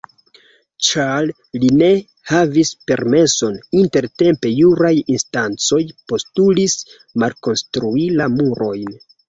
Ĉar li ne havis permeson, intertempe juraj instancoj postulis malkonstrui la murojn.